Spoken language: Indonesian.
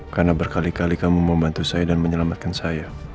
karena berkali kali kamu membantu saya dan menyelamatkan saya